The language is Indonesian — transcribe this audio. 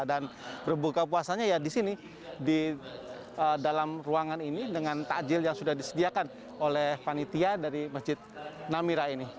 dan berbuka puasanya di sini di dalam ruangan ini dengan takjil yang sudah disediakan oleh panitia dari masjid namira ini